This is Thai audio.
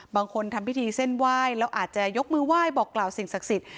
ทำพิธีเส้นไหว้แล้วอาจจะยกมือไหว้บอกกล่าวสิ่งศักดิ์สิทธิ